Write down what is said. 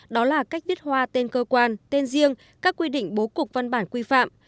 đó là cách viết hoa tên cơ quan tên riêng các quy định bố cục văn bản quy phạm